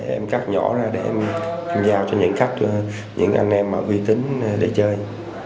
em cắt nhỏ ra để em giao cho những khách những anh em mà uy tín để chơi